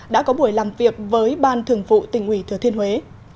đã có buổi làm việc với ban thường vụ tỉnh ủy thừa thiên huế